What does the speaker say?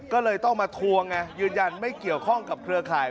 ก็เลยต้องมาทวงไงยืนยันไม่เกี่ยวข้องกับเครือข่าย